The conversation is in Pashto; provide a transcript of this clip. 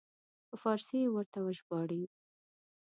په فارسي یې ورته وژباړي.